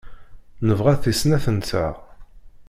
Nebɣa-t i snat-nteɣ.